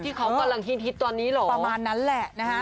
ที่เขากำลังฮิตตอนนี้หรอกประมาณนั้นแหละนะฮะ